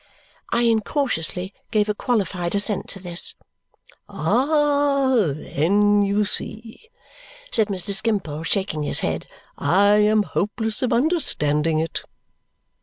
I incautiously gave a qualified assent to this. "Ah! Then you see," said Mr. Skimpole, shaking his head, "I am hopeless of understanding it."